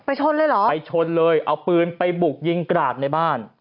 ชนเลยเหรอไปชนเลยเอาปืนไปบุกยิงกราดในบ้าน